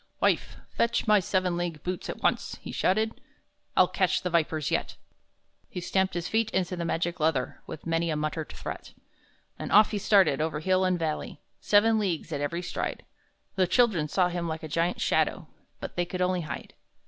"Wife, fetch my seven league boots at once!" he shouted; "I'll catch the vipers yet!" He stamped his feet into the magic leather With many a muttered threat; And off he started, over hill and valley, Seven leagues at every stride; The children saw him like a giant shadow, But they could only hide.